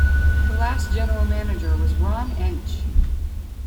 The last General Manager was Ron Entsch.